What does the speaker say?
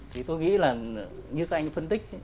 thì tôi nghĩ là như các anh phân tích